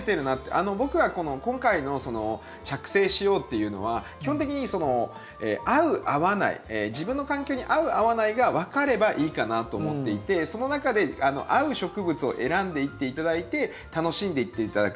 僕は今回の着生しようっていうのは基本的に合う合わない自分の環境に合う合わないが分かればいいかなと思っていてその中で合う植物を選んでいっていただいて楽しんでいっていただく。